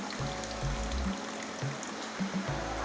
secara luar biasa rupanya saya mengunggah nusajib buka buka